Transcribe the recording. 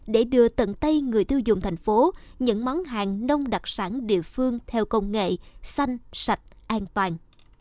để đưa tận tay người tiêu dùng thành phố những món hàng nông đặc sản địa phương theo công nghệ xanh sạch an toàn